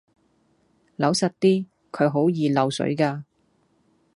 扭實啲，佢好易漏水㗎